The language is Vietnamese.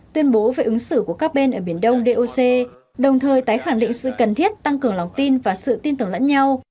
tuyên bố về ứng xử của các bên ở biển đông doc đồng thời tái khẳng định sự cần thiết tăng cường lòng tin và sự tin tưởng lẫn nhau